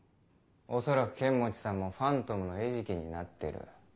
恐らく剣持さんもファントムの餌食になってる。